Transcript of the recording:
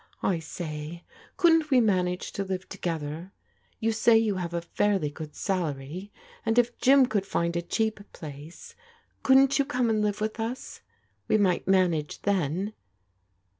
I say, couldn't we manage to live together? You say you have a fairly good salary, and if Jim could find a cheap place, couldn't you come and live with us? We might manage then."